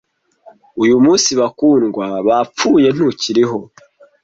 uyu munsi bakundwa bapfuye ntukiriho